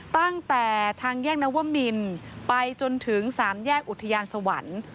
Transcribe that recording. ตั้งแต่ทางแยกนวมินไปจนถึง๓แยกอุทยานสวรรค์